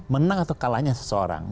menang atau kalahnya seseorang